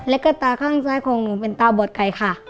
แล้วก็ตาข้างซ้ายของหนูเป็นตาบอดไก่ค่ะ